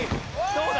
どうだ？